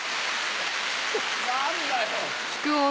何だよ。